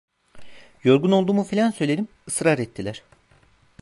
Yorgun olduğumu filan söyledim, ısrar ettiler.